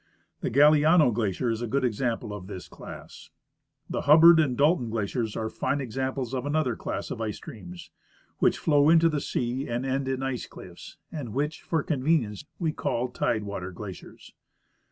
The Galiano glacier is a good example of this class. The Hubbard and Dalton glaciers are fine examples of another class of ice streams which flow into the sea and end in ice cliflfs, and which for convenience we call tide ivater glaciers.